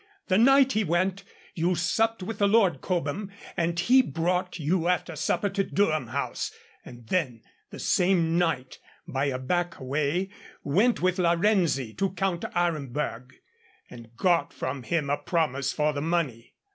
The night he went, you supped with the Lord Cobham, and he brought you after supper to Durham House; and then the same night by a back way went with La Renzi to Count Aremberg, and got from him a promise for the money.